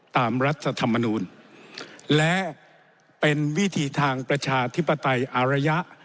รัฐธรรมนูลและเป็นวิธีทางประชาธิปไตยอารยะ